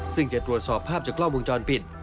ซึ่งจะตรวจสอบภาพจากกล้องวงจรปิด